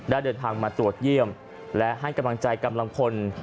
เดินทางมาตรวจเยี่ยมและให้กำลังใจกำลังพล